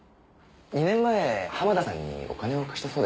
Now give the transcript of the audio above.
２年前濱田さんにお金を貸したそうですね。